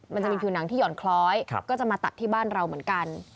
มันจะมีผิวหนังที่หย่อนคล้อยก็จะมาตัดที่บ้านเราเหมือนกัน